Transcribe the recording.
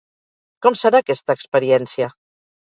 Com serà aquesta experiència?